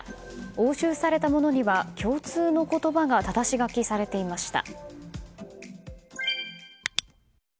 押収されたものには共通の言葉がただし書きされていました。